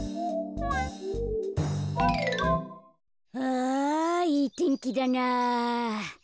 あいいてんきだな。